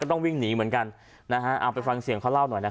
ต้องวิ่งหนีเหมือนกันนะฮะเอาไปฟังเสียงเขาเล่าหน่อยนะฮะ